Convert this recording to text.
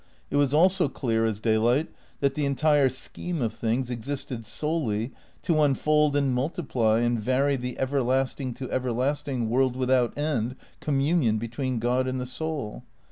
It was also clear as daylight that the entire scheme of things existed solely to un fold and multiply and vary the everlasting to everlasting world without end communion between God and the soul.